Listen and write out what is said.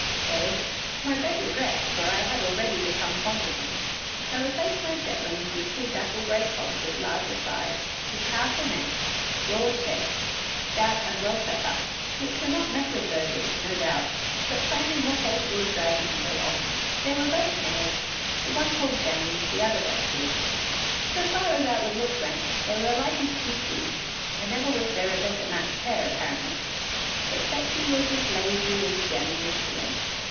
So to my great regret, for I had already become fond of them, I replaced my Shetlands with two dapple gray cobs of larger size, with powerful necks, broad chests, stout and well set up, which were not Mecklenburghers, no doubt, but plainly more capable of dragging me along. They were both mares, the one called Jane, the other Betsy. So far as outward looks went, they were as alike as two peas, and never was there a better matched pair apparently. But Betsy was as lazy as Jane was willing.